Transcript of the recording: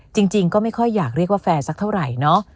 จริงก็ไม่ค่อยอยากเรียกว่าแฟนสักเท่าไหร่เนาะ